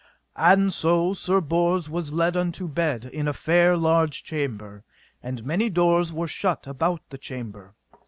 And so Sir Bors was led unto bed in a fair large chamber, and many doors were shut about the chamber.